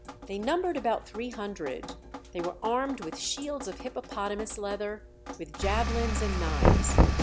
They numbered about three hundred; they were armed with shields of hippopotamus leather, with javelins and knives.